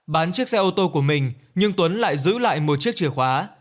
bán chiếc xe ô tô của mình nhưng tuấn lại giữ lại một chiếc chìa khóa